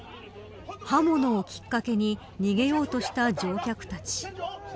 刃物をきっかけに逃げようとした乗客たち。